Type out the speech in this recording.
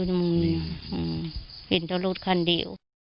ที่มีข่าวเรื่องน้องหายตัว